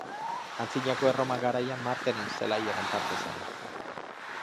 Aintzinako Erroma garaian Marteren zelaiaren parte zen.